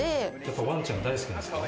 ワンちゃん大好きなんですか？